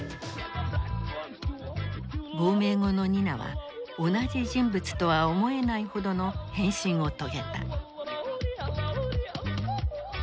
亡命後のニナは同じ人物とは思えないほどの変身を遂げた。